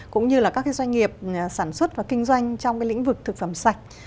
cũng như là các doanh nghiệp sản xuất và kinh doanh trong cái lĩnh vực thực phẩm sạch